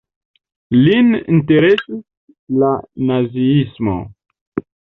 Lin interesis la Naziismo.